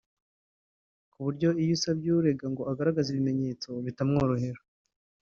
ku buryo iyo usabye urega ngo agaragaze ibimenyetso bitamworohera